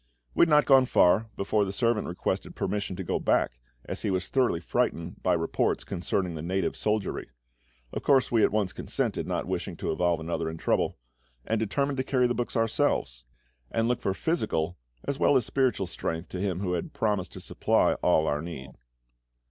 We had not gone far before the servant requested permission to go back, as he was thoroughly frightened by reports concerning the native soldiery. Of course we at once consented, not wishing to involve another in trouble, and determined to carry the books ourselves, and look for physical as well as spiritual strength to Him who had promised to supply all our need.